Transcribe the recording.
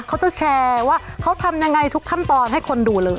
เขาจะแชร์ว่าเขาทำยังไงทุกขั้นตอนให้คนดูเลย